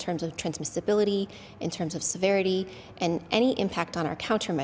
dalam hal transmisibilitas dalam hal kelembaban dan apapun impak kita pada pengukuran